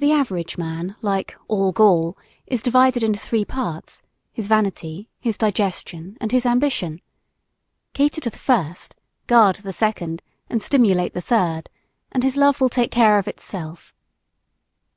The average man, like "all Gaul," is divided into three parts: his vanity, his digestion and his ambition. Cater to the first, guard the second and stimulate the third and his love will take care of itself.